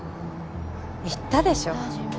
言ったでしょ。